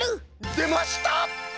でました！